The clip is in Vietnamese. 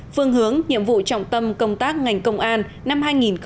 phương hướng nhiệm vụ trọng tâm công tác ngành công an năm hai nghìn một mươi bảy